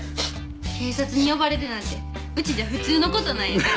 警察に呼ばれるなんてうちじゃ普通の事なんやから。